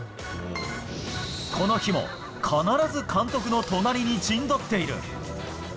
この日も、必ず監督の隣に陣取っている。